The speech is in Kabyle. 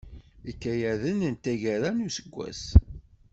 Ikayaden n taggara n useggas.